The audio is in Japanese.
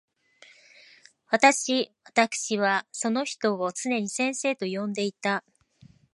私わたくしはその人を常に先生と呼んでいた。